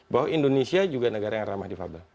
bahwa indonesia juga negara yang ramah di fabel